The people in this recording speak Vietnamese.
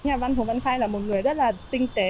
nhà văn phủng văn khẩu là một người rất là tinh tế